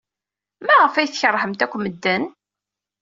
Maɣef ay tkeṛhemt akk medden?